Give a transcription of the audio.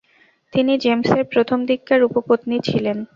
তিনি জেমসের প্রথমদিককার উপপত্নী ছিলেন।